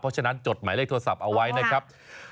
เพราะฉะนั้นจดหมายเลขโทรศัพท์เอาไว้นะครับ